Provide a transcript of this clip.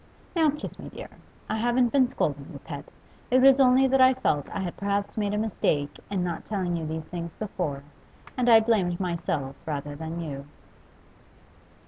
Now kiss me, dear. I haven't been scolding you, pet; it was only that I felt I had perhaps made a mistake in not telling you these things before, and I blamed myself rather than you.